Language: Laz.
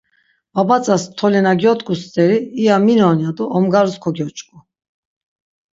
Babatzas toli na gyot̆ǩu steri, iya minon yado omgarus kogyoç̌ǩu.